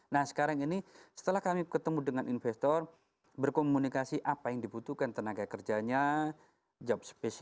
nah sekarang ini setelah kami ketemu dengan investor berkomunikasi apa yang dibutuhkan tenaga kerjanya job spesifik